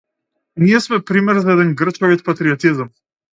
Ние сме пример за еден грчовит патриотизам.